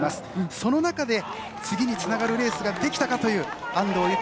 その中で次につながるレースができたかという安藤友香。